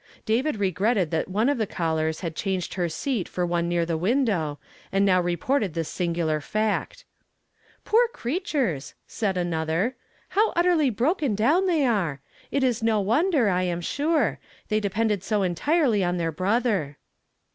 David regretted that one of tiie callers had changed her seat for one near the window, and now reported this singular fact. "Poor creatures !" said anotluv; "how utter ly broken down they are. It is no wonder, I am sure ; they depended so entirely on their brother.'"